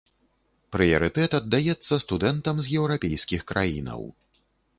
Прыярытэт аддаецца студэнтам з еўрапейскіх краінаў.